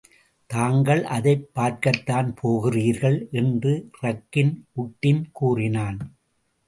தாங்கள் அதைப் பார்க்கத்தான் போகிறீர்கள் என்று ரக்கின் உட்டின் கூறினான்.